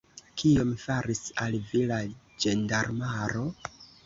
Kion faris al vi la ĝendarmaro?